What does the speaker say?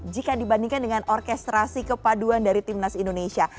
jika dibandingkan dengan orkestrasi kepaduan dari timnas indonesia